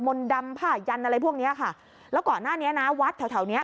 มนต์ดำผ้ายันอะไรพวกเนี้ยค่ะแล้วก่อนหน้านี้นะวัดแถวแถวเนี้ย